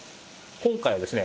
今回はですね